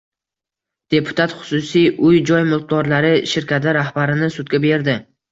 Deputat xususiy uy-joy mulkdorlari shirkati rahbarini sudga berdi